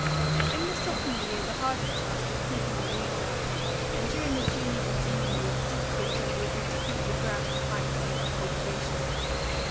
"In the sophomore year the hardest task is keeping the weeds out, and during the junior and senior years the difficulty will be to keep the ground in the highest state of cultivation.